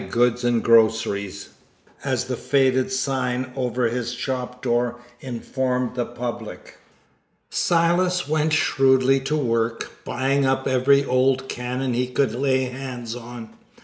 Goods and Groceries," as the faded sign over his shop door informed the public. Silas went shrewdly to work, buying up every old cannon he could lay hands on.